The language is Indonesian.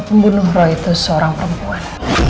membunuh roy itu seorang perempuan